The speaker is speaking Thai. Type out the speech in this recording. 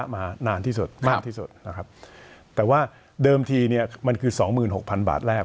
มานานที่สุดมากที่สุดนะครับแต่ว่าเดิมทีเนี่ยมันคือสองหมื่นหกพันบาทแรก